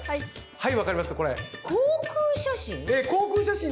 はい。